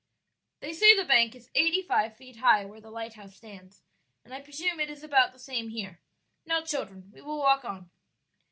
"They say the bank is eighty five feet high where the lighthouse stands, and I presume it is about the same here. Now, children, we will walk on."